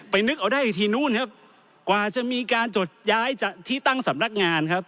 นึกเอาได้อีกทีนู้นครับกว่าจะมีการจดย้ายจากที่ตั้งสำนักงานครับ